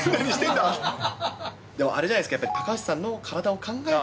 でもあれじゃないですか、高橋さんの体を考えて。